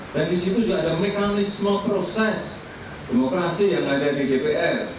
dan di situ juga ada mekanisme proses demokrasi yang ada di dpr